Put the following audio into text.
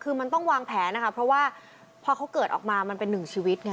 คือมันต้องวางแผนนะคะเพราะว่าพอเขาเกิดออกมามันเป็นหนึ่งชีวิตไง